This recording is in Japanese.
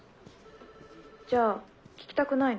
じゃあ聞きたくないの？